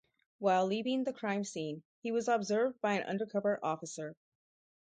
While leaving the crime scene, he was observed by an undercover officer.